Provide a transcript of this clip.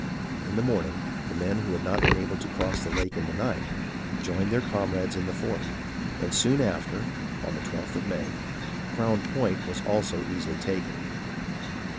In the morning, the men who had not been able to cross the lake in the night, joined their comrades in the fort, and soon after (on the 12th of May) Crown Point was also easily taken.